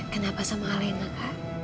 kenapa sama alena kak